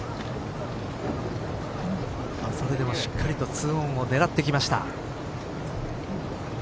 それでもしっかりと２オンを狙ってきました。